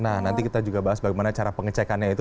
nah nanti kita juga bahas bagaimana cara pengecekannya itu